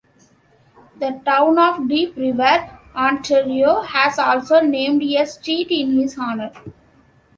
The town of Deep River, Ontario has also named a street in his honour.